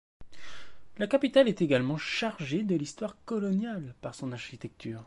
La capitale est également chargée de l'histoire coloniale par son architecture.